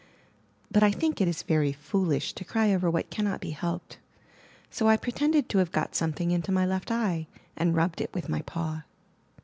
But I think it is very foolish to cry over what cannot be helped, so I pretended to have got something into my left eye, and rubbed it with my paw.